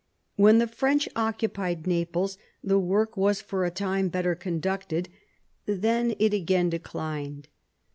When the French occupied Naples, the work was for a time better conducted; then it again declined.